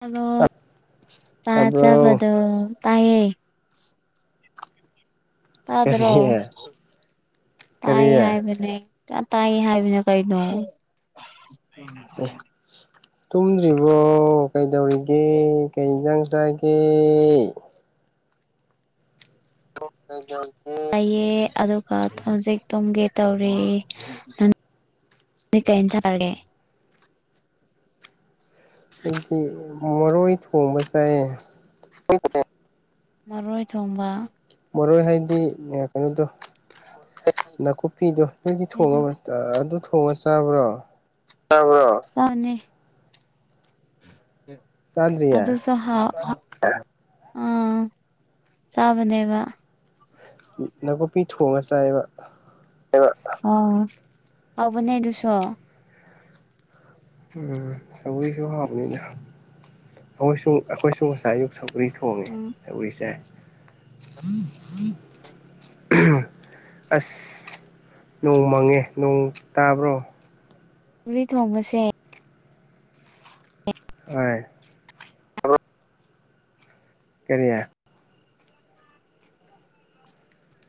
hello ꯇꯥꯖꯕ ꯑꯕ꯭ꯔꯣ ꯑꯗꯨꯣ ꯇꯥꯏꯦ ꯀꯔꯤ ꯇꯗ꯭ꯔꯣ ꯇꯥꯏ ꯀꯔꯤ ꯑꯦ ꯍꯥꯏꯕꯅꯦ ꯇꯥꯏ ꯍꯥꯏꯕꯅ ꯀꯩꯩꯅꯣ ꯇꯨꯝꯗ꯭ꯔꯤꯕꯣ ꯀꯩꯗꯧꯔꯤꯒꯦ ꯀꯩ ꯏꯗꯪ ꯆꯥꯒꯦ ꯑꯣ ꯂꯩꯌꯦ ꯑꯗꯨꯒ ꯍꯧꯖꯤꯛ ꯇꯨꯝꯒꯦ ꯇꯧꯔꯤ ꯀꯟ ꯊꯔꯒꯦ ꯑꯩꯗꯤ ꯃꯔꯣꯏ ꯊꯣꯡꯕꯁꯦ ꯃꯔꯣꯏ ꯊꯣꯡꯕ ꯃꯔꯣꯏ ꯍꯥꯏꯗꯤ ꯀꯩꯅꯣꯗꯣ ꯅꯥꯀꯨꯞꯄꯤꯗꯣ ꯅꯣꯏꯗꯤ ꯊꯉ ꯑꯗꯨ ꯊꯣꯡꯉꯒ ꯆꯥꯕ꯭ꯔꯣ ꯑ ꯍ ꯍꯅꯦ ꯆꯥꯗ꯭ꯔꯤꯌꯦ ꯑꯗ ꯁ ꯑꯥ ꯆꯥꯕꯅꯦꯕ ꯅꯥꯀꯨꯞꯄꯤ ꯊꯣꯡꯉ ꯆꯥꯏꯕ ꯑ ꯑꯕꯅꯦꯗꯨꯁ ꯎꯝ ꯁꯪꯤꯁꯨ ꯍꯥꯎꯕꯅꯤꯅ ꯑꯩꯈꯣꯏꯁꯨ ꯑꯩꯈꯣꯏꯁꯨ ꯉꯁꯥꯏ ꯑꯌꯨꯛ ꯁꯪ ꯎꯔꯤ ꯊꯣꯡꯉꯦ ꯎꯝ ꯎꯔꯤꯁꯦ ꯑꯁ ꯅꯣꯡ ꯃꯪꯉꯦ ꯅꯣꯡ ꯇꯥꯕ꯭ꯔꯣ ꯔꯤ ꯊꯣꯃꯁꯦ ꯑ ꯑ ꯀꯔꯤꯌꯥ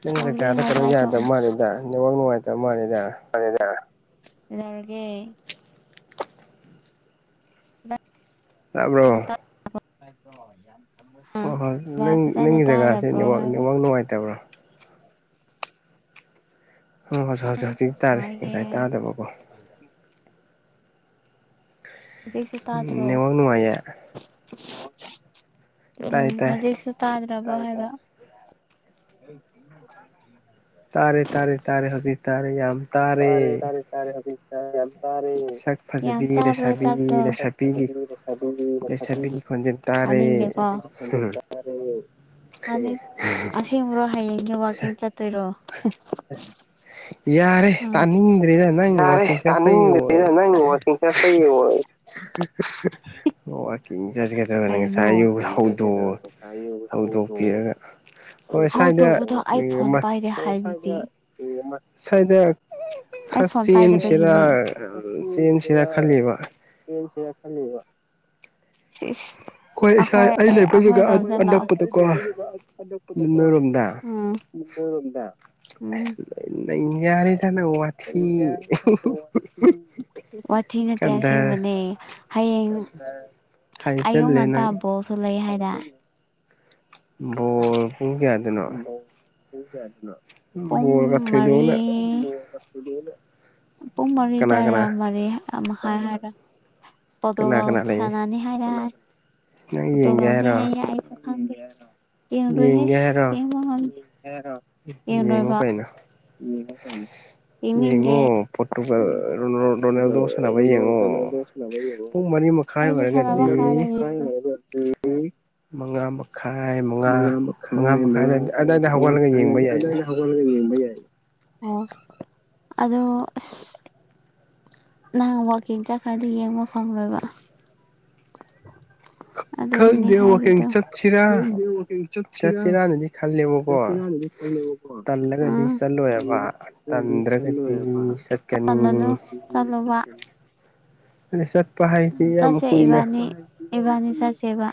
ꯅꯪ ꯖꯒꯥꯗ ꯀꯩꯅꯣ ꯁꯁ ꯌꯥꯗꯕ ꯃꯥꯜꯂꯦꯗ ꯅꯦꯠꯋꯥꯛ ꯅꯨꯡꯉꯥꯏꯇꯕ ꯃꯥꯜꯂꯦꯗ ꯂꯔꯒꯦ ꯇꯥꯕ꯭ꯔꯣ ꯍꯣꯏ ꯍꯣꯏ ꯑ ꯅꯪ ꯐꯖꯅ ꯅꯪꯒꯤ ꯖꯒꯥꯁꯦ ꯇꯥꯗꯕ꯭ꯔꯣ ꯅꯦꯠꯋꯥꯛ ꯍꯥꯏꯕ ꯅꯦꯠꯋꯥꯛ ꯅꯨꯡꯉꯥꯏꯇꯕ꯭ꯔꯣ ꯑꯣ ꯍꯖꯤꯦ ꯍꯖꯤꯦ ꯍꯧꯖꯤꯛꯇꯤ ꯍꯧꯖꯤꯛ ꯇꯥꯔꯦ ꯅꯨꯡꯉꯥꯏꯌꯦ ꯉꯁꯥꯏ ꯇꯥꯗꯕꯀꯣ ꯍꯧꯖꯤꯛꯁꯨ ꯇꯥꯗ꯭ꯔꯣ ꯅꯦꯃ ꯅꯅꯨꯡꯉꯥꯏꯌꯥ ꯎꯝ ꯍꯧꯖꯤꯛꯁꯨ ꯇꯥꯗ꯭ꯔꯕ ꯍꯥꯏꯕ ꯑꯩ ꯇꯥꯔꯦ ꯇꯥꯔꯦ ꯇꯥꯔꯦ ꯍꯧꯖꯤꯛ ꯇꯥꯔꯦ ꯌꯥꯝ ꯇꯥꯔꯦ ꯑ ꯁꯛ ꯌꯥꯝ ꯐꯖꯕꯤ ꯂꯩꯁꯥꯕꯤ ꯣꯖ ꯂꯩꯁꯥꯕꯤꯒꯤ ꯂꯩꯁꯥꯕꯤꯒꯤ ꯈꯣꯟꯖꯦꯜ ꯇꯥꯔꯦ ꯦ ꯑꯁꯦꯡꯕ꯭ꯔꯣ ꯍꯌꯦꯡꯒꯤ ꯋꯥꯛꯀꯤꯡ ꯆꯠꯇꯣꯏꯔꯣ ꯌꯥꯔꯦ ꯎꯝ ꯇꯥꯅꯤꯡꯗ꯭ꯔꯦꯗ ꯅꯪ ꯌꯥꯔꯦ ꯋꯥꯛꯀꯤꯡ ꯆꯠꯄꯩ ꯇꯥꯅꯤꯡꯗꯩꯗ ꯅꯪ ꯋꯥꯋꯥꯛꯤꯡꯁꯦ ꯐꯩꯌꯦꯡꯉ ꯍꯣꯏ ꯀꯤꯡ ꯆꯠꯒꯗꯧꯒꯅ ꯉꯁꯥꯏ ꯑꯌꯨ ꯍꯧꯗꯣꯛꯎ ꯀꯩꯅꯣ ꯍꯧꯗꯣꯛꯄꯤꯔꯒ ꯍꯣꯏ ꯍ ꯁ꯭ꯋꯥꯏꯗ ꯇꯧꯕꯗꯣ ꯑꯩ ꯐꯣꯟ ꯄꯥꯏꯔꯦ ꯍꯥꯏꯔꯗꯤ ꯁꯥꯏꯗ ꯑꯩ ꯐꯣꯟ ꯆꯦꯟꯁꯤꯔ ꯄꯥꯏꯗꯕꯒꯤꯅꯦ ꯆꯦꯟꯁꯤꯔꯥ ꯈꯜꯂꯤꯕ ꯈꯂꯤꯕ ꯆꯤꯁ ꯑꯩꯈꯣꯏ ꯏꯁꯥ ꯑꯩꯈꯏ ꯑꯩ ꯂꯩꯕ ꯑꯩꯈꯣꯏ ꯖꯒꯥ ꯔꯣꯟ ꯂꯥꯛꯑꯣ ꯑꯅꯛꯄꯗꯀꯣ ꯅꯣꯏꯔꯣꯝꯗ ꯎꯝ ꯗꯣꯏꯔꯣꯝꯗ ꯎꯝ ꯅ ꯌꯥꯔꯦꯗ ꯅ ꯋꯥꯊꯤ ꯋꯥꯊꯤ ꯅꯠꯇꯦ ꯀꯗꯔ ꯑꯁꯦꯡꯕꯅꯦ ꯍꯌꯦꯡ ꯑꯌꯨꯛ ꯍꯥꯏꯖꯜꯂꯦ ꯅꯪ ꯉꯟꯇꯥꯕꯣꯛꯁꯨ ꯂꯩ ꯍꯥꯏꯗ ꯕꯣꯜ ꯄꯨꯡ ꯀꯌꯥꯗꯅꯣ ꯄꯨꯡ ꯕꯣꯜꯒ ꯃꯔꯤ ꯊꯣꯏꯗꯣꯛꯅ ꯄꯨꯡ ꯃꯔꯤ ꯀꯅꯥ ꯑꯗꯨꯋꯥꯏꯔꯥ ꯀꯅꯥ ꯃꯔꯤ ꯃꯈꯥꯏ ꯍꯥꯏꯔ ꯀꯅꯥ ꯄꯣꯇꯨꯒꯜ ꯀꯅꯥ ꯂꯩ ꯁꯅꯥꯅꯤ ꯍꯥꯏꯔ ꯅꯪ ꯌꯦꯡꯒꯦ ꯄꯇꯨꯒꯜꯅꯤ ꯍꯥꯏꯔꯣ ꯍꯥꯏ ꯌꯦꯡꯔꯣ ꯌꯦꯡꯒꯦ ꯍꯦꯁ ꯍꯥꯏꯔꯣ ꯌꯦꯡꯕ ꯉꯝꯗꯦ ꯌꯦꯡꯉꯣ ꯌꯦꯡꯔꯣꯏꯕ ꯀꯩꯅꯣ ꯌꯦꯡꯅꯤꯡꯗꯦ ꯌꯦꯡꯉꯣ ꯄꯣꯇꯨꯒ ꯔꯣꯅꯜꯗꯣꯁꯅꯕ ꯌꯦꯡꯉꯣ ꯔꯣꯅꯥꯜꯗꯣ ꯁꯥꯟꯅꯕ ꯌꯦꯡꯉꯣ ꯄꯨꯡ ꯃꯔꯤ ꯃꯈꯥꯏ ꯑꯩꯗꯤ ꯁꯥꯟꯅꯕ ꯑꯣꯏꯔꯒꯗꯤ ꯍꯥꯟꯅ ꯌꯦꯡꯉꯦ ꯃꯉꯥ ꯈꯥꯏ ꯃꯉꯥ ꯃꯈꯥꯏ ꯃꯉꯥ ꯑꯗꯨꯋꯥꯏꯗ ꯃꯉꯥ ꯍꯧꯒꯠꯂꯒ ꯃꯈꯥꯏ ꯌꯦꯡꯕ ꯑꯗꯨ ꯌꯥꯏꯅꯦ ꯍꯧꯒꯠꯂꯒ ꯌꯦꯡꯕ ꯌꯥꯏ ꯑꯣ ꯑꯗꯣ ꯅꯪ ꯋꯥꯛꯀꯤꯡ ꯆꯠ ꯈꯔꯗꯤ ꯌꯦꯡꯕ ꯐꯪꯂꯣꯏꯕ ꯑꯗꯒꯤꯅꯦ ꯈꯪꯗꯦ ꯍꯥꯏꯗꯨ ꯋꯥꯛꯀꯤꯡ ꯆꯠꯁꯤꯔꯥ ꯆꯠꯁꯤꯔ ꯆꯠꯁꯤꯔꯥꯅꯗꯤ ꯈꯜꯂꯦꯕꯀꯣ ꯅꯥꯗꯤ ꯈꯜꯂꯦꯕꯀꯣꯂ ꯇꯜꯂꯒꯗꯤ ꯇꯜꯂꯦ ꯆꯠꯂꯣꯏꯕ ꯇꯟꯗ꯭ꯔꯒꯗꯤ ꯆꯜꯂꯣꯏꯕ ꯆꯜꯂꯅꯨ ꯆꯠꯀꯅꯤ ꯆꯜꯂꯨꯕ ꯆꯠ ꯆꯁꯦ ꯏꯕꯥꯅꯤ ꯏꯕꯥꯅꯤ ꯆꯁꯦꯕ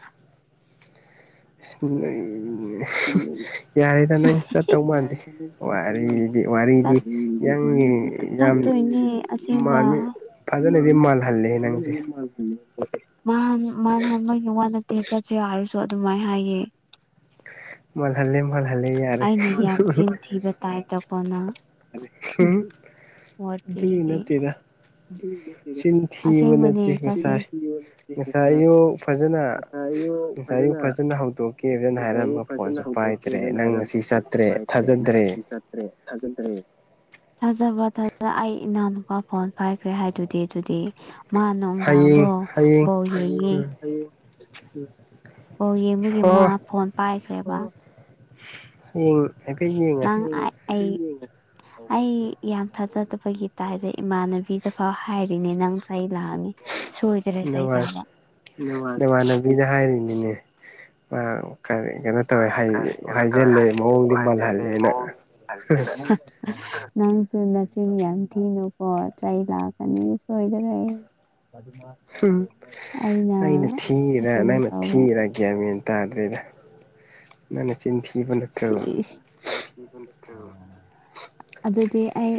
ꯅ ꯌꯥꯔꯦꯗ ꯅꯪ ꯆꯠꯇꯧ ꯃꯥꯟꯗꯦ ꯌꯥꯔꯦꯗ ꯅꯪ ꯆꯠꯇꯧ ꯃꯥꯟꯗꯦ ꯋꯥꯔꯤꯗꯤ ꯋꯥꯔꯤꯗꯤ ꯌꯥꯡ ꯌꯥꯝ ꯇꯣꯏꯅꯦ ꯑꯁꯦꯡꯕ ꯃꯥꯟꯗꯤ ꯐꯖꯅꯗꯤ ꯃꯥꯜꯍꯜꯂꯦ ꯅꯪꯁꯦ ꯃꯥ ꯃꯥꯅ ꯑꯃꯒꯤ ꯋꯥ ꯅꯠꯇꯦ ꯆꯠꯁꯦ ꯍꯥꯏꯔꯁꯨ ꯑꯗꯨꯃꯥꯏꯅ ꯍꯥꯏꯌꯦ ꯃꯜ ꯍꯜꯂꯦ ꯃꯜ ꯍꯂꯦ ꯌꯥꯔꯦ ꯑꯩꯅ ꯑꯗꯨꯒꯤ ꯋꯥꯠꯔꯤꯗꯤ ꯅꯠꯇꯦꯗ ꯆꯤꯟ ꯊꯤꯕ ꯑꯁꯦꯡꯕ ꯅꯦ ꯅꯠꯇꯦ ꯆꯠꯁꯦ ꯉꯁꯥꯏ ꯉꯁꯥꯏꯒꯤ ꯐꯖꯅ ꯍꯧ ꯇꯣꯛꯀꯦ ꯏꯁꯁꯥꯏꯗꯤ ꯐꯖꯅ ꯍꯧꯗꯣꯛꯀꯦꯗꯅ ꯍꯥꯏꯔꯝꯕ ꯉꯁꯤ ꯐꯣꯟꯁꯨ ꯆꯠꯇ꯭ꯔꯦ ꯄꯥꯏꯗ꯭ꯔꯦ ꯅꯪꯁꯤ ꯊꯥꯖꯗ꯭ꯔꯦ ꯆꯠꯇ꯭ꯔꯦ ꯊꯥꯒꯗ꯭ꯔꯦ ꯊꯥꯖꯕꯖ ꯑꯩ ꯏꯅꯥꯎꯅꯨꯄꯥ ꯐꯣꯟ ꯄꯥꯏꯈ꯭ꯔꯦ ꯍꯥꯏꯗꯨꯗꯤ ꯑꯗꯨꯗꯤ ꯃꯥ ꯅꯨꯡꯗꯥꯡꯗꯣ ꯍꯌꯦꯡ ꯍꯌꯦꯡ ꯕꯣꯜ ꯌꯦꯡꯉꯦ ꯎꯝ ꯑꯣ ꯌꯦꯡꯕꯒꯤ ꯃ ꯍꯣꯏ ꯐꯣꯟ ꯄꯥꯏꯈ꯭ꯔꯦꯕ [inaudible] ꯍꯌꯦꯡ ꯍꯥꯏꯐꯦꯠ ꯅꯪ ꯌꯦꯡꯉꯁꯤ ꯑꯩ ꯑꯩ ꯌꯥꯝ ꯊꯥꯖꯗꯕꯒꯤ ꯇꯥꯏꯞꯇ ꯏꯃꯥꯟꯅꯕꯤꯗ ꯐꯥꯎ ꯍꯥꯏꯔꯤꯅꯦ ꯅꯪꯁ ꯑꯩ ꯂꯥꯛꯑꯅꯤ ꯁꯣꯏꯗ꯭ꯔꯦ ꯆꯩ ꯅꯃ ꯆꯥꯕ ꯅꯃꯥꯟꯅꯕꯤꯗ ꯍꯥꯏꯔꯤꯅꯤꯅꯦ ꯀꯩꯅꯣ ꯑ ꯇꯧꯋꯦ ꯀꯔꯤ ꯀꯩꯅꯣ ꯇꯧꯋꯦ ꯍꯥꯏꯖꯜꯂꯦ ꯃꯑꯣꯡꯗꯤ ꯍꯥꯏꯖꯤꯜꯂꯦ ꯃꯥꯜꯍꯜꯂꯦꯅ ꯃꯑꯣꯡꯂꯅ ꯅꯪꯁꯨꯨꯅꯆꯤꯟ ꯌꯥꯝ ꯊꯤꯅꯨꯀꯣ ꯆꯩ ꯂꯥꯛꯀꯅꯤ ꯁꯣꯏꯗꯔꯦ ꯑꯩꯅ ꯀꯩꯅꯣ ꯇꯧꯕ ꯇꯗ꯭ꯔꯤꯗ ꯅ ꯅꯆꯤꯟꯊꯤ ꯁꯤꯖ ꯑꯗꯨꯗꯤ ꯑꯩ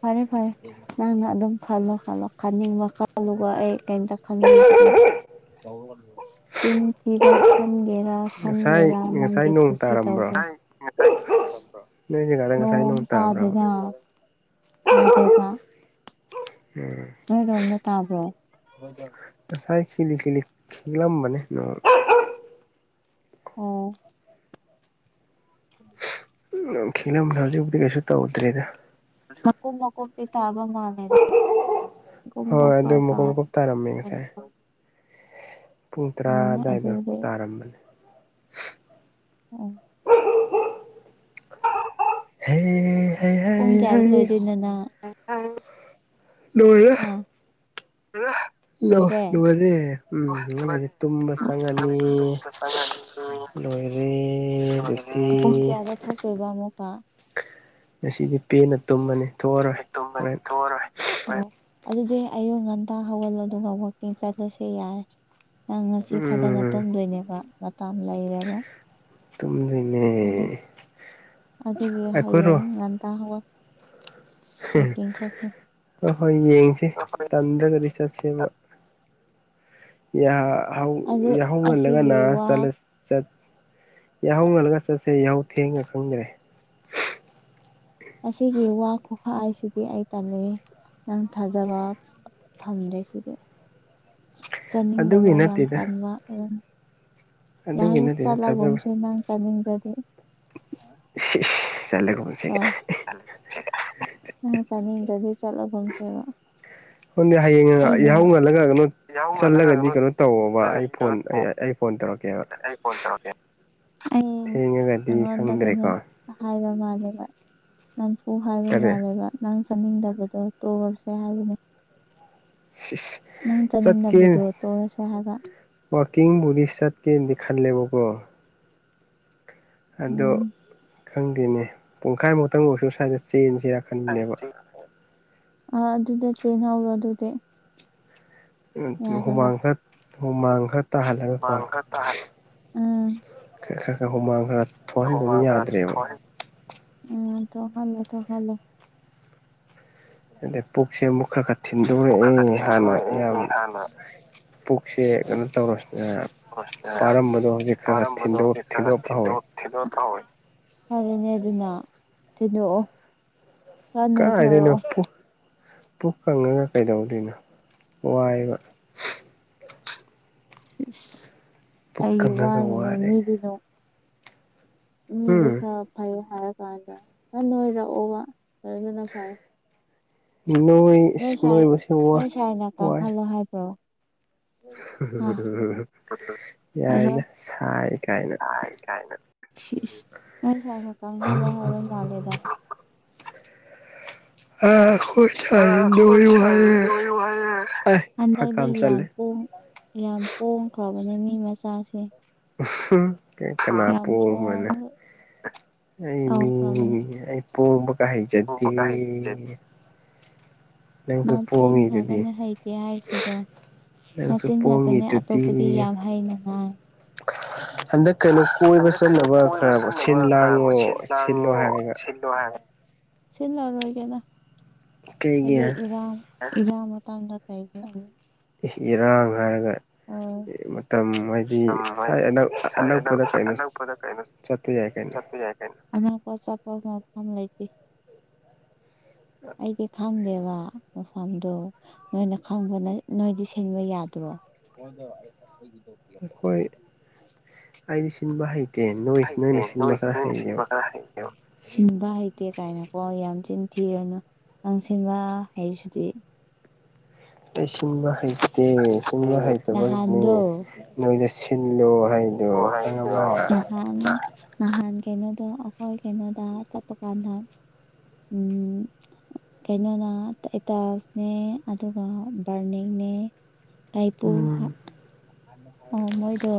ꯐꯔꯦ ꯐꯔꯦ ꯅꯪꯅ ꯑꯗꯨꯝ ꯈꯜꯂꯣ ꯈꯜꯂꯣ ꯈꯅꯤꯡꯕ ꯈꯜꯂꯨꯕ ꯑꯩ ꯀꯩꯝꯇ ꯈꯟꯕꯤꯗ꯭ꯔꯦ ꯆꯤꯟꯊꯤꯕ ꯈꯟꯒꯦꯔ ꯉꯁꯥꯏ ꯈꯟꯋꯦꯔ ꯉꯁꯥꯏ ꯅꯪꯒꯤ ꯅꯣꯡ ꯈꯨꯁꯤ ꯇꯥꯔꯝꯕ꯭ꯔꯣ ꯇꯧꯖ ꯅꯣꯏ ꯖꯒꯥꯗ ꯉꯁꯥꯏ ꯅꯣꯡ ꯇꯥꯕ꯭ꯔꯕ ꯇꯥꯗꯦꯗꯥ ꯇꯥꯗꯦ ꯕ ꯎꯝ ꯅꯣꯏꯔꯣꯝꯗ ꯇꯥꯕ꯭ꯔꯣ ꯉꯁꯥꯏ ꯈꯦꯂꯤ ꯈꯦꯂꯤ ꯈꯦꯒꯂꯝꯕꯅꯦ ꯑꯣ ꯎꯝ ꯈꯤꯛꯂꯝꯕꯅꯦ ꯍꯧꯖꯤꯛꯄꯨꯗꯤ ꯀꯩꯁꯨ ꯇꯧꯗ꯭ꯔꯦꯗ ꯊꯀꯨ ꯃꯀꯨꯞꯕ ꯄꯤ ꯇꯥꯕ ꯃꯥ ꯂꯩꯗ ꯍꯣꯏ ꯑꯗꯨ ꯃꯀꯨꯞ ꯃꯀꯨꯞ ꯇꯥꯔꯝꯃꯦ ꯉꯁꯥꯏ ꯄꯨꯡ ꯇꯔꯥ ꯎꯝ ꯑꯗꯨꯋꯥꯏꯗ ꯑꯗꯨꯗꯤ ꯇꯥꯔꯝꯕꯅꯦ ꯎꯝ ꯍ ꯄꯨꯡ ꯀꯌꯥꯗ ꯂꯣꯏꯗꯣꯏꯅꯣꯅ [unintelligible] ꯍꯥ ꯂꯣꯏꯔꯦ ꯎꯝ ꯉꯥꯏꯍꯥꯛ ꯂꯩꯔꯗꯤ ꯇꯨꯝꯕ ꯆꯪꯉꯅꯤ ꯂꯣꯏꯔꯦ ꯑꯗꯨꯗꯤ ꯆꯉꯅꯤ ꯄꯨꯡ ꯀꯌꯥꯗ ꯊꯣꯛꯇꯣꯏꯕ ꯑꯃꯨꯛꯀ ꯉꯁꯤꯗꯤ ꯄꯦꯟꯅ ꯇꯨꯝꯃꯅꯤ ꯊꯣꯛꯑꯔꯣꯏ ꯊꯦꯡꯅ ꯇꯨꯝꯃꯅꯤ ꯍꯣꯔꯦꯟ ꯊꯣꯛꯑꯔꯣꯏ ꯑꯣ ꯑꯗꯨꯗꯤ ꯑꯌꯨꯛ ꯉꯟꯇꯥ ꯍꯧꯒꯜꯂꯣ ꯑꯗꯨꯒ ꯋꯥꯛꯀꯤꯡ ꯆꯠꯂꯁꯦ ꯌꯥꯔꯦ ꯅꯪ ꯉꯁꯤ ꯐꯖꯅ ꯎꯝ ꯇꯨꯝꯗꯣꯏꯅꯦꯕ ꯃꯇꯝ ꯂꯩꯔꯦꯕ ꯇꯨꯝꯗꯣꯏꯅꯦ ꯑꯗꯨ ꯑꯗꯨꯒꯤ ꯑꯩꯈꯣꯏꯔꯣ ꯍꯌꯦꯡ ꯉꯟꯇꯥꯕ ꯍ ꯍꯣꯏ ꯌꯦꯡꯁꯦ ꯍꯣꯏ ꯇꯟꯗ꯭ꯔꯒꯗꯤ ꯆꯠꯁꯦꯕ [unintelligible] ꯑꯗꯨ ꯑꯁꯤꯒꯤ ꯌꯥꯍꯧꯍꯜꯂꯒꯅꯂ ꯋꯥ ꯌꯥꯍꯧ ꯉꯜꯂꯒ ꯆꯠꯁꯦ ꯌꯥꯍꯧ ꯊꯦꯡꯉ ꯈꯪꯗ꯭ꯔꯦ ꯑꯁꯤꯒꯤ ꯋꯥ ꯈꯨꯈꯥ ꯍꯥꯏꯁꯤꯗꯤ ꯑꯩ ꯇꯜꯂꯤ ꯅꯪ ꯊꯥꯖꯕ ꯊꯝꯖꯩꯁꯤꯒꯦ ꯑꯗꯨꯒꯤ ꯆꯥꯅꯤꯡꯗꯕ ꯌꯥꯝ ꯅꯠꯇꯦꯗ ꯄꯟꯕ ꯑꯗꯨꯝ ꯑꯗꯨꯒꯤ ꯌꯥꯅꯁ ꯆ ꯅꯠꯇꯦꯗ ꯊꯥꯖꯕ ꯂꯒꯣꯁꯅꯥ ꯆ ꯂꯤꯗꯦ ꯆꯂꯒꯟꯁꯤꯒ ꯅꯪꯅ ꯆꯅꯤꯡꯒꯗꯤ ꯆꯠꯂꯣꯒꯨꯝꯁꯦꯕ ꯑꯗꯨꯅꯤ ꯍꯌꯦꯡ ꯌꯥꯍꯧ ꯉꯜꯂꯒ ꯀꯩꯅꯣ ꯌꯥꯍꯧ ꯉꯜꯂꯒ ꯆꯠꯂꯒꯗꯤ ꯀꯩꯅꯣ ꯇꯧꯋꯣꯕ ꯑꯩ ꯆꯠꯂꯒꯗꯤ ꯐꯣꯟ ꯀꯩꯅꯣ ꯑꯩ ꯇꯧ ꯑꯩ ꯐꯣꯟ ꯇꯧꯔꯛꯀꯦ ꯑꯣꯀꯦꯕ ꯑꯩ ꯐꯣꯟ ꯇꯧꯔꯛꯀꯦ ꯑꯩ ꯊꯦꯡꯉꯒꯗꯤ ꯅꯪꯉꯣꯟꯗ ꯀꯩꯅꯣ ꯈꯪꯗ꯭ꯔꯦꯀꯣ ꯍꯥꯏꯕ ꯃꯥꯜꯂꯦꯕ ꯅꯝꯐꯨ ꯍꯥꯏꯕ ꯇꯔꯦ ꯃꯥꯜꯂꯦꯕ ꯅꯪ ꯆꯠꯅꯤꯡꯗꯕꯗꯣ ꯇꯣꯛꯑꯁꯦ ꯍꯥꯏꯕꯅꯤ ꯁꯤꯁ ꯅꯪ ꯆꯅꯤꯡꯕꯗ‌ꯣ ꯇꯣꯛꯑꯁ‌ꯦ ꯍꯥꯏ ꯋꯥꯀꯤꯡꯕꯨꯗꯤ ꯆꯠꯀ‌ꯦꯅ ꯈꯟꯂ‌ꯦꯕ ꯀꯣ ꯑꯗꯣ ꯎꯝ ꯈꯪꯗꯦꯅꯦ ꯄꯨꯡꯈꯥꯏꯃꯨꯛꯇꯪ ꯑꯣꯏꯁꯨ ꯁ꯭ꯋꯥꯏꯗ ꯆꯦꯟ ꯁꯤꯔꯈꯟꯕꯅꯦꯕ ꯍꯥꯏꯕꯗꯤ ꯑ ꯑꯗꯨꯗ ꯆꯦꯅ ꯍꯧꯔꯣ ꯑꯗꯨꯗꯤ ꯌꯥꯔꯕ ꯍꯨꯃꯥꯡꯍꯠ ꯍꯨꯃꯥꯡꯍꯠ ꯍꯨꯃꯥꯡ ꯈꯔ ꯇꯥꯍꯜꯂꯒ‌ꯦ ꯈꯔ ꯈ ꯍꯨꯃꯥꯡ ꯈꯔꯥ ꯍꯨꯃꯥꯡ ꯈꯔ ꯊ‌ꯣꯛꯍꯟ ꯎꯝ ꯊ‌ꯣꯛꯍꯜꯂꯣ ꯊ‌ꯣꯛꯍꯜꯂꯣ ꯑꯗꯩ ꯄꯨꯛꯁꯦ ꯑꯃꯨꯛ ꯈꯔ ꯈꯔ ꯄꯨꯛ ꯈꯔ ꯈꯔ ꯊꯤꯟꯗꯣꯛꯣꯔꯛꯑꯦ ꯍꯥꯟꯅ ꯌꯥꯝ ꯊꯤꯟꯗꯣꯔꯛꯑꯦ ꯍꯥꯟꯅ ꯄꯨꯛꯁꯦ ꯀꯩꯅꯣ ꯇꯧꯔꯁꯤꯅꯦ ꯄꯥꯔꯝꯕꯗꯣꯗꯤ ꯈꯔ ꯊꯤꯟꯗꯣꯛꯄ ꯍꯧꯔꯦ ꯊꯤꯟꯗꯣꯛ ꯊꯤꯟꯗꯣꯛ ꯇꯎꯋꯤ ꯐꯔꯦꯅꯦ ꯑꯗꯨꯅ ꯊꯤꯟꯗꯣꯛꯑꯣ ꯈꯔ ꯀꯥꯏꯗꯩꯅ‌ꯣ ꯅꯣꯏꯊꯔꯛꯑꯣ ꯄꯨꯛ ꯄꯨꯛ ꯀꯪꯉꯒ ꯀꯩꯗꯧꯗꯣꯏꯅꯣ ꯋꯥꯏꯌ‌ꯦꯕ ꯑꯁ ꯄꯨꯛ ꯀꯩꯒꯤ ꯀꯪꯉꯒ ꯋꯥꯔꯤꯅꯣ ꯋꯥꯔꯦ ꯃꯤꯗꯤꯅꯣ ꯃꯤꯗꯤ ꯎꯝ ꯈꯔ ꯐꯩ ꯍꯥꯏꯔꯀꯥꯟꯗ ꯅꯪ ꯅꯣꯏꯔꯛꯑꯣꯕ [unintelligible] ꯐꯥꯏ ꯅꯣꯏ ꯅꯣꯏꯕꯁꯦ ꯋꯥꯏ ꯅꯣꯏ ꯋꯥꯏ ꯀ ꯌꯥꯏꯗ ꯁꯥꯏ ꯀꯥꯏꯅ ꯁꯤꯁ ꯅꯣꯏ ꯁꯥꯏꯅ ꯀꯥꯡꯪꯍꯜꯂꯣ ꯍꯥꯏꯕ ꯃꯥꯜꯂꯦꯗ ꯑ ꯑ [unintelligible] ꯑꯩ ꯍꯥꯏꯗꯗꯤ ꯍꯀꯥꯝ ꯌꯥꯝ ꯆꯜꯂꯦ ꯄꯣꯡꯈ꯭ꯔꯕꯅꯦ ꯃꯤ ꯃꯆꯥꯁꯦ ꯎ-ꯍꯝ ꯀꯩ ꯀꯅꯥ ꯌꯥꯝ ꯄ‌ꯣꯡꯕꯅ‌ꯦ ꯄꯣꯡꯉꯒ ꯑꯩ ꯃꯤ ꯇꯧꯈ꯭ꯔꯕꯅꯦ ꯑꯩ ꯄꯣꯝꯕꯒ ꯍꯩꯖꯗꯦ ꯄꯣꯡꯕꯒ ꯅꯪꯁꯨ ꯄꯣꯡꯉꯤꯗꯨꯗꯤ ꯃꯁꯤꯍꯗꯅ ꯍꯩꯇꯦ ꯍꯥꯏꯁꯤꯗꯣ ꯅꯪꯁꯨ ꯃꯆꯤꯟ ꯉꯥꯛꯇꯅꯦ ꯄꯣꯡꯉꯤꯗꯨꯗꯤ ꯑꯇꯣꯞꯄꯗꯤ ꯌꯥꯝ ꯍꯩꯅꯉꯥꯡ ꯍꯟꯗꯛ ꯀꯩꯅꯣ ꯀꯣꯏꯕ ꯍꯟꯗꯛ ꯀꯩꯅꯣ ꯆꯠꯅꯕ ꯀꯣꯏꯕ ꯈꯔ ꯁꯤꯟ ꯆꯠꯅꯕ ꯈꯔ ꯂꯥꯡꯉꯣ ꯁꯤꯟ ꯁꯤꯜꯂꯣ ꯂꯥꯡꯉꯣ ꯍꯥꯏꯔꯒ ꯁꯤꯜꯂ ꯁꯤꯟꯂꯔ‌ꯣꯏꯒꯦꯅ ꯀꯩꯒꯤ ꯍꯧꯖꯤꯛ ꯏꯔꯥꯡ ꯏꯔꯥꯡ ꯃꯇꯝꯗ ꯀꯩꯒꯤ ꯏꯔꯥꯡ ꯍꯥꯏꯔꯒ ꯑꯣ ꯃꯇꯝ ꯍꯥꯏꯗꯤ ꯌꯥꯝ ꯁꯥꯏ ꯍꯥꯏꯗꯤ ꯑꯅꯛ ꯑꯅꯛꯄꯗ ꯀꯩꯅꯣ ꯑꯅꯛꯄꯗ ꯀꯩꯅꯣ ꯆꯠ ꯆꯠꯄ ꯌꯥꯏ ꯀꯩꯅ‌ꯣ ꯑꯅꯛꯄ ꯆꯠꯄ ꯃꯐꯝ ꯂꯩꯇꯦ ꯑꯩꯗꯤ ꯈꯪꯗꯦꯕ ꯃꯐꯝꯗꯣ ꯅꯣꯏꯅ ꯈꯪꯕꯅ ꯅꯣꯏꯗꯤ ꯁꯤꯟꯕ ꯌꯥꯗ꯭ꯔꯣ ꯍꯣꯏꯗ ꯑꯩꯈꯣꯏ ꯑꯥꯏꯗꯤꯁꯤꯟꯕ ꯍꯥꯏ ꯍꯩꯇ‌ꯦ ꯅꯣꯏ ꯅꯣꯏꯅ ꯁꯤꯟꯕ ꯈꯔ ꯍꯥꯏꯌ‌ꯦꯕ ꯁꯤꯟꯕ ꯍꯩꯇꯦ ꯀꯥꯏꯅꯀꯣ ꯌꯥꯝ ꯆꯤꯟ ꯊꯤꯔꯅꯨ ꯅꯪꯁꯤꯟꯕ ꯍꯩꯁꯤꯗꯤ ꯑꯩ ꯁꯤꯟꯕ ꯍꯩꯇꯦ ꯁꯤꯟꯡꯕ ꯍꯩꯇꯕꯒꯤꯅꯦ ꯅꯍꯥꯟꯗꯣ ꯅꯣꯏꯗ ꯁꯤꯜꯂꯣ ꯍꯥꯏꯗꯣ ꯂꯛꯑꯣ ꯈꯪꯉꯕ ꯍꯥꯏꯗ‌ꯣ ꯅꯍꯥꯟ ꯅꯍꯥꯟ ꯀꯩꯅꯣꯗꯣ ꯑꯩꯈꯣꯏ ꯀꯩꯅꯣꯗꯥ ꯆꯠꯄ ꯀꯥꯟꯗꯥ ꯎ ꯀꯩꯅꯣꯅ ꯇꯇꯥꯁꯅꯦ ꯑꯗꯨꯒ ꯕꯔꯅꯤꯡ ꯇꯥꯏꯄꯨ ꯎꯝ ꯑꯣ ꯃꯣꯏꯗꯣ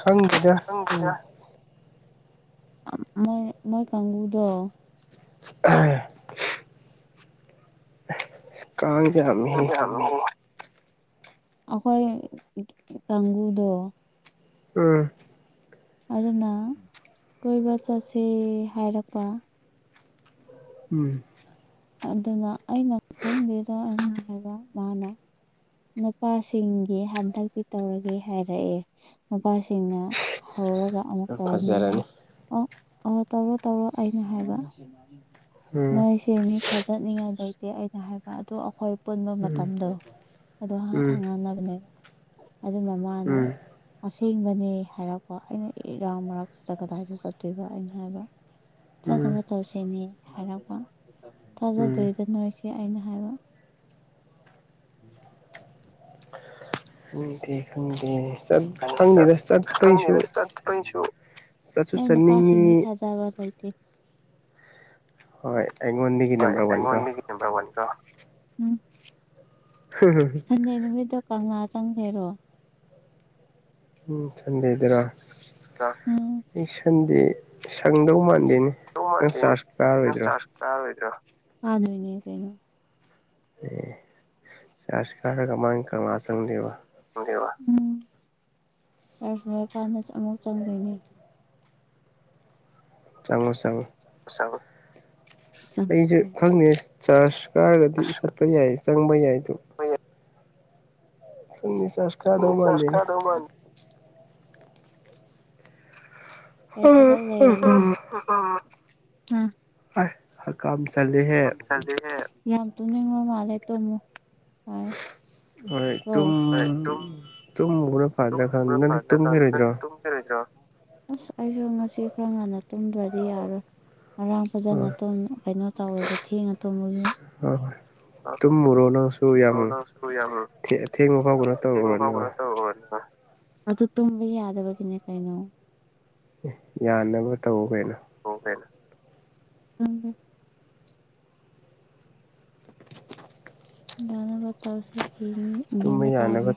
ꯈꯪ ꯀꯗꯦ ꯎꯝ ꯃꯣꯏ ꯃꯣꯏ ꯀꯥꯡꯪꯕꯨꯨꯗ ꯑ ꯁꯀꯥꯟꯖꯃꯤꯍ ꯑꯩꯈꯣꯏ ꯀꯥꯡꯪꯘꯨꯗ ꯎꯝ ꯑꯗꯨꯅ ꯀꯣꯏꯕ ꯆꯠꯁꯤꯦ ꯍꯥꯏꯔꯛꯄ ꯎꯝ ꯑꯗꯨꯅ ꯑꯩꯅ ꯈꯪꯗꯦꯗ ꯑꯩꯅ ꯍꯥꯏꯕ ꯃꯥꯅ ꯅꯨꯄꯥꯁꯤꯡꯒꯤ ꯍꯟꯗꯛꯇꯤ ꯇꯧꯔꯒꯦ ꯍꯥꯏꯔꯛꯑꯦ ꯅꯨꯄꯥꯁꯤꯡꯅ ꯇꯧꯒ ꯑꯃꯨꯛ ꯇꯧꯔꯅꯤ ꯍꯥꯏ ꯐꯖꯔꯅꯤ ꯑꯣ ꯑꯣ ꯇꯧꯔꯣ ꯇꯧꯔꯣ ꯑꯩꯅ ꯍꯥꯏꯕ ꯎꯝ ꯅꯣꯏꯁꯦ ꯃꯤ ꯊꯥꯖꯠꯅꯤꯡꯉꯥꯏ ꯂꯩꯇꯦ ꯑꯩꯅ ꯍꯥꯏꯕ ꯑꯗꯨꯗ ꯑꯩꯈꯣꯏ ꯄꯨꯟꯕ ꯎꯝ ꯃꯇꯝꯗꯣ ꯑꯗ ꯎꯝ ꯍꯪ ꯉꯟꯅꯕꯅꯦꯕ ꯑꯗꯨꯅ ꯃꯥꯅ ꯎꯝ ꯑꯁꯦꯡꯕꯅꯦ ꯍꯥꯏꯔꯛꯄ ꯑꯩꯅ ꯏꯔꯥꯎ ꯃꯔꯛꯁꯤꯗ ꯀꯗꯥꯏꯗ ꯆꯠꯇꯣꯏꯕ ꯑꯩꯅ ꯍꯥꯏꯕ ꯎꯝ ꯆꯠꯅꯕ ꯇꯧꯁꯤꯅꯦ ꯍꯥꯏꯔꯛꯄ ꯎꯝ ꯊꯥꯖꯗ꯭ꯔꯤꯗ ꯅꯣꯏꯁꯦ ꯑꯩꯅ ꯍꯥꯏꯕ ꯎꯝ ꯈꯪꯗꯦ ꯈꯪꯗꯦ ꯆꯠ ꯁ ꯈꯪꯗꯦꯗ ꯆꯠꯄꯩꯁꯨ ꯆꯁꯨ ꯆꯠꯁꯨ ꯅꯣꯏꯅ ꯄꯁꯤꯅꯤ ꯆꯠꯅꯤꯡꯉꯤ ꯊꯥꯖꯥꯕ ꯂꯩꯇꯦ ꯍꯣꯏ ꯑꯩꯉꯣꯟꯗꯒꯤ ꯍꯣꯏ ꯅꯝꯕꯔ ꯋꯥꯟ ꯀꯣ ꯑꯩꯉꯣꯟꯗꯒꯤ ꯅꯝꯕꯔ ꯋꯥꯟ ꯀꯣ ꯎꯝ ꯁꯟꯗꯦ ꯅꯨꯃꯤꯠꯇꯣ ꯀꯪꯂꯥ ꯆꯪꯁꯦꯔꯣ ꯎꯝ ꯆꯗꯗꯔꯥ ꯑ ꯑꯩ ꯁꯪꯗꯧ ꯃꯥꯥꯟ ꯗꯧ ꯃꯥꯟꯗꯦꯅꯦ [unintelligible] ꯀꯩꯅꯩꯅꯣ ꯆꯔꯁꯤ ꯀꯥꯔꯒ ꯃꯥꯒꯤ ꯀꯪꯂꯥ ꯆꯪꯗꯦꯕ ꯎꯝ ꯑꯔꯁꯄꯥꯟꯗꯁꯨ ꯑꯃꯨꯛ ꯆꯪꯗꯣꯏꯅꯦ ꯆꯪꯉꯣ ꯆꯪꯉꯣ ꯁꯥ ꯑꯩꯁꯨ ꯈꯪꯗꯦ ꯆꯥꯔꯖ ꯀꯥꯔꯒꯗꯤ ꯆꯠꯄ ꯌꯥꯏ ꯆꯪꯕ ꯌꯥꯏ ꯍꯣꯏ ꯏꯅꯤ ꯆꯁ ꯀꯥꯗꯧ ꯃꯥꯟꯗꯅꯦ ꯀꯥꯗꯧ ꯃꯥꯟ ꯑꯩ ꯊꯕꯛ ꯂꯩꯔꯒ ꯑ ꯍꯔ ꯀꯥ ꯌꯥꯝ ꯇꯨꯅꯤꯡꯕ ꯃꯥꯜꯂꯦ ꯇꯨꯝꯃꯣ ꯑꯝ ꯍꯣꯏ ꯇꯨꯝ ꯇꯨꯝꯃꯨꯕꯅ ꯐꯥꯗ꯭ꯔ ꯈꯥꯟ ꯇꯨꯝꯕꯅ ꯅꯪꯗꯤ ꯐꯗ꯭ꯔꯀꯥꯟ ꯇꯨꯝꯕꯤꯔꯣꯏꯗ꯭ꯔꯣ ꯅꯪꯗꯤ ꯇꯨꯝꯈꯤꯔꯣꯏꯗ꯭ꯔꯣ ꯑꯁ ꯑꯩꯁꯨ ꯉꯁꯤ ꯈꯔ ꯉꯟꯅ ꯇꯨꯝꯗ꯭ꯔꯗꯤ ꯌꯥꯔꯣꯏ ꯉꯥꯔꯥꯡ ꯐꯖꯅ ꯍꯣꯏ ꯇꯨꯝ ꯀꯩꯅꯣ ꯇꯧꯋꯦꯕ ꯊꯦꯡꯉ ꯇꯨꯝꯕꯒꯤ ꯑ ꯇꯨꯝꯃꯨꯔꯣ ꯅꯪꯁꯨ ꯌꯥꯝ ꯀꯣꯔꯣꯅꯥ ꯁꯨ ꯊꯦꯡꯕ ꯐꯥꯎꯕ ꯌꯥꯕ꯭ꯔꯠꯇꯅꯤ ꯇꯧꯔꯨꯔꯅꯨ [unintelligible] ꯑꯗꯨ ꯇꯨꯝꯕ ꯌꯥꯗꯕꯒꯤꯅꯦ ꯀꯩꯅꯣ ꯌꯥꯅꯕ ꯇꯧ ꯀꯩꯅꯣ ꯎꯒꯦ ꯅꯅꯕ ꯇꯧꯁꯦ ꯇꯨꯝꯕ [unintelligible] ꯌꯥꯅꯕ ꯇꯥꯕꯅꯦ